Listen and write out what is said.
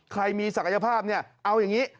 ใครมีศักยภาพเนี่ยเอาอย่างนี้